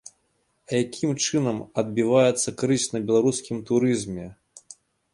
А якім чынам адбіваецца крызіс на беларускім турызме?